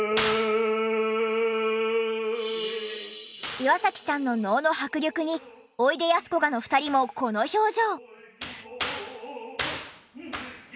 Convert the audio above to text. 岩崎さんの能の迫力においでやすこがの２人もこの表情。